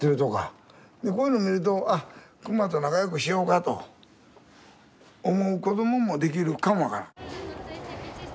でこういうの見ると「あっ熊と仲良くしようか」と思う子どももできるかも分からん。